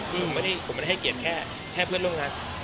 อืมผมไม่ได้ให้เกียรติแค่เพื่อนร่วมงาน